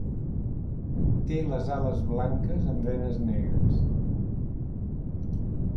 Té les ales blanques amb venes negres.